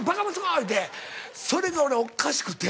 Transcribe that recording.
言うてそれが俺おかしくて。